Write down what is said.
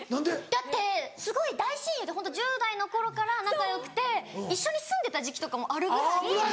だってすごい大親友でホント１０代の頃から仲良くて一緒に住んでた時期とかもあるぐらい。